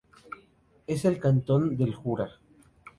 Es el Cantón del Jura.